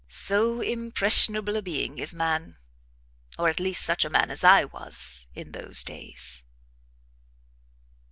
So impressionable a being is man, or at least such a man as I was in those days.